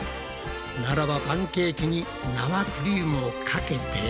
ならばパンケーキに生クリームをかけて。